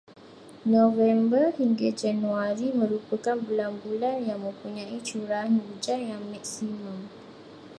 November hingga Januari merupakan bulan-bulan yang mempunyai curahan hujan yang maksimum.